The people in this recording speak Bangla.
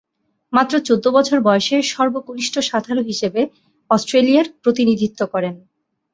মাত্র চৌদ্দ বছর বয়সে সর্বকনিষ্ঠ সাঁতারু হিসেবে অস্ট্রেলিয়ার প্রতিনিধিত্ব করেন।